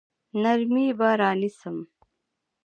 نرمي به رانیسم.